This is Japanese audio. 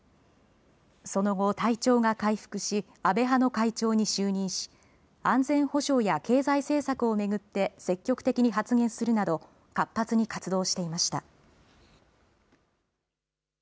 その後、体調が回復し安倍派の会長に就任し安全保障や経済政策を巡って積極的に発言するなど活発に活動していました。